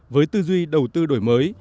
với tư duy đầu tư đổi mới